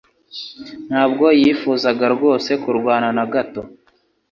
Ntabwo yifuzaga rwose kurwana na gato.